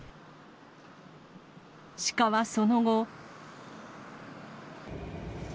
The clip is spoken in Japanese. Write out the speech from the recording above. シカはその後。